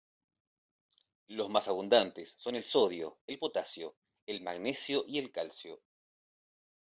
Los más abundantes son el sodio, el potasio, el magnesio y el calcio.